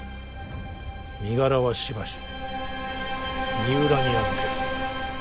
身柄はしばし三浦に預ける。